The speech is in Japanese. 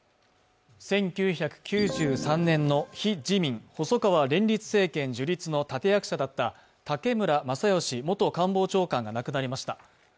１９９３年の非自民・細川連立政権樹立の武村正義元官房長官が亡くなりました。